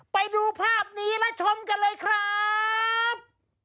ไปดูภาพนี้และชมกันเลยครับ